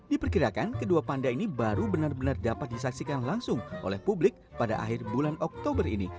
diperkirakan kedua panda ini baru benar benar dapat disaksikan langsung oleh publik pada akhir bulan oktober ini